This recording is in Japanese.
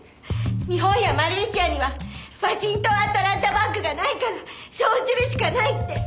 日本やマレーシアにはワシントン・アトランタ・バンクがないからそうするしかないって！